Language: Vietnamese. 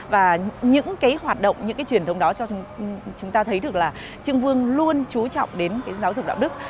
và những cái hoạt động những cái truyền thống đó cho chúng ta thấy được là trương vương luôn chú trọng đến cái giáo dục đạo đức